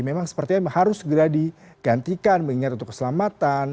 memang sepertinya harus segera digantikan mengingat untuk keselamatan